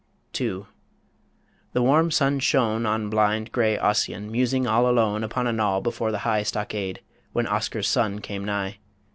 II. The warm sun shone On blind, grey Ossian musing all alone Upon a knoll before the high stockade, When Oscar's son came nigh.